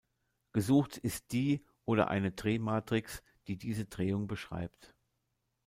Gesucht ist die oder eine Drehmatrix, die diese Drehung beschreibt.